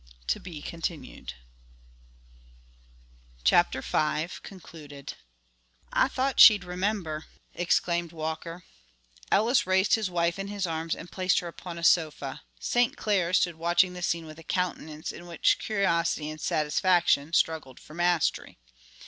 (To be continued.) CHAPTER V.–(Concluded) "I thought she'd remember," exclaimed Walker. Ellis raised his wife in his arms and placed her upon a sofa. St. Clair stood watching the scene with a countenance in which curiosity and satisfaction struggled for the mastery.